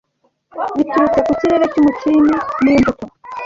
biturutse ku kirere cy'umutini n'imbuto,